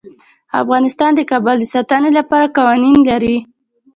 افغانستان د کابل د ساتنې لپاره قوانین لري.